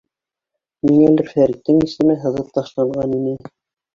Ниңәлер Фәриттең исеме һыҙып ташланған ине.